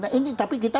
nah ini tapi kita